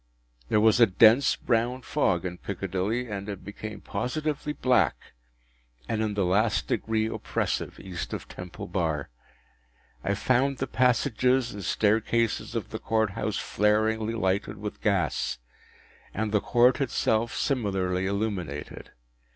There was a dense brown fog in Piccadilly, and it became positively black and in the last degree oppressive East of Temple Bar. I found the passages and staircases of the Court House flaringly lighted with gas, and the Court itself similarly illuminated.